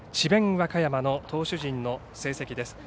和歌山の投手陣の成績です。